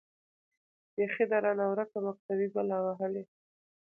بيـخي ده رانـه وركه مــكتبۍ بــلا وهــلې.